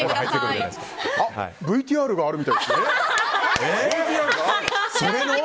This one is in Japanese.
ＶＴＲがあるみたいですよ。